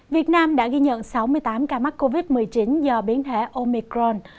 việt nam đã ghi nhận sáu mươi tám ca mắc covid một mươi chín do biến thể omicron